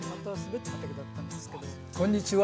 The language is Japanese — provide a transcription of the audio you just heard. こんにちは。